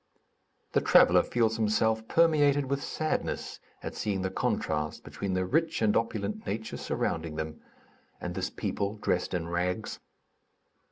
The traveller feels himself permeated with sadness at seeing the contrast between the rich and opulent nature surrounding them, and this people dressed in rags.